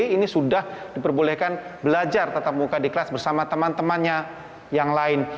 ini sudah diperbolehkan belajar tetap muka di kelas bersama teman temannya yang lain